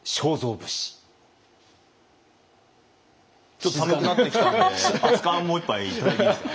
ちょっと寒くなってきたんで熱かんもう一杯頂いていいですか？